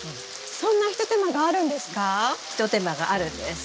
そんなひと手間があるんですか？